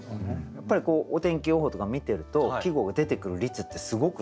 やっぱりお天気予報とか見てると季語が出てくる率ってすごく高いですよね。